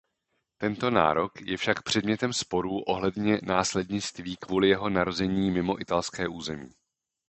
Tento nárok je však předmětem sporů ohledně následnictví kvůli jeho narození mimo italské území.